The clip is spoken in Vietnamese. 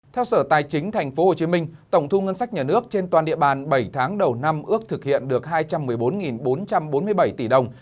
theo sở tài chính tp hcm tổng thu ngân sách nhà nước trên toàn địa bàn bảy tháng đầu năm ước thực hiện được hai trăm một mươi bốn bốn trăm bốn mươi bảy tỷ đồng